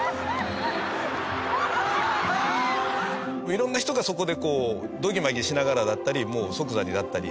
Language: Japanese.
色んな人がそこでこうドギマギしながらだったりもう即座にだったり。